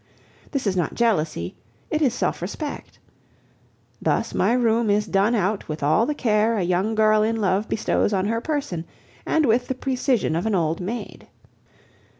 This is not jealousy; it is self respect. Thus my room is done out with all the care a young girl in love bestows on her person, and with the precision of an old maid.